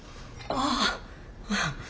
ああ。